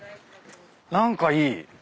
何かいい。